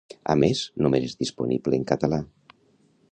A més, només és disponible en català